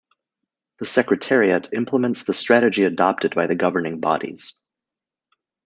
The Secretariat implements the strategy adopted by the governing bodies.